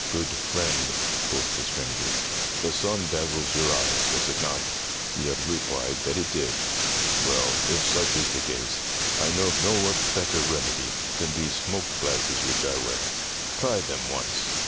"Good friend," quoth the stranger, "the sun dazzles your eyes, does it not?" The other replied that it did. "Well, if such is the case, I know of no better remedy than these smoked glasses which I wear. Try them once."